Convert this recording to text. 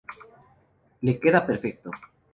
Le queda perfecto.